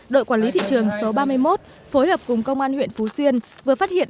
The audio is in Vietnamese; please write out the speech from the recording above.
đội quản lý thị trường số ba mươi một phối hợp cùng công an huyện phú xuyên vừa phát hiện